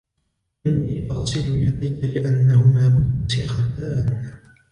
إني أغسل يدي لأنهما متسختان.